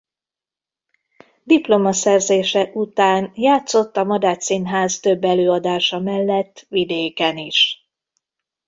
Diplomaszerzése után játszott a Madách Színház több előadása mellett vidéken is.